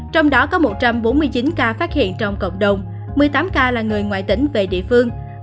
trong đó có một trăm bốn mươi chín ca phát hiện trong cộng đồng một mươi tám ca là người ngoại tỉnh về địa phương